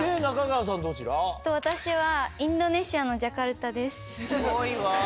私は、インドネシアのジャカすごいわ。